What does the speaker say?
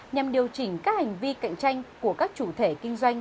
nhằm điều chỉnh các hành vi cạnh tranh của các chủ thể kinh doanh